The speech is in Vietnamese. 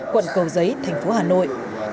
quận cầu giấy thành phố hà nội